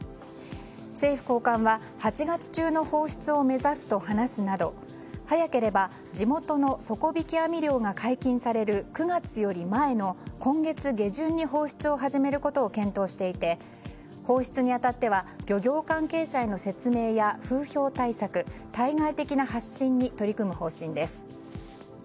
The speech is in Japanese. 政府高官は８月中の放出を目指すと話すなど早ければ地元の底引き網漁が解禁される９月より前の今月下旬に放出を始めることを検討していて放出に当たっては漁業関係者への説明や風評対策対外的な発信に取り組む方針です。